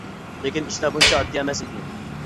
لېكىن ئىشلار بۇنچە ئاددىي ئەمەس ئىدى.